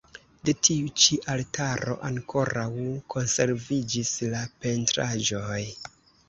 De tiu ĉi altaro ankoraŭ konserviĝis la pentraĵoj.